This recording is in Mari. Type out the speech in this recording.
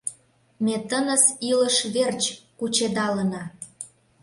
Ме тыныс илыш верч кучедалына.